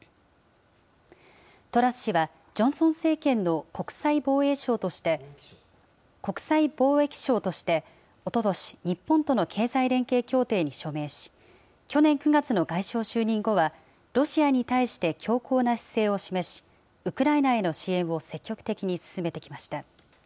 トラス氏は、ジョンソン政権の国際貿易相として、おととし、日本との経済連携協定に署名し、去年９月の外相就任後は、ロシアに対して強硬な姿勢を示し、ウクライナへの支援を積極的に進めてきました。